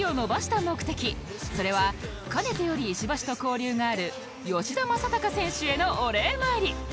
それはかねてより石橋と交流がある吉田正尚選手へのお礼参り